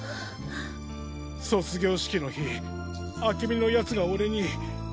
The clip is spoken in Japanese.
卒業式の日明美の奴が俺に。